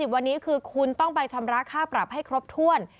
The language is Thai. วันนี้คือคุณต้องไปชำระค่าปรับให้ครบถ้วน